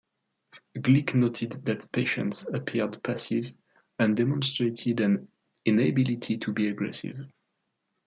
Glick noted that patients appeared passive, and demonstrated an "inability to be aggressive".